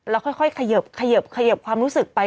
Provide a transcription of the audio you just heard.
แล้วค่อยเขยิบความรู้สึกไป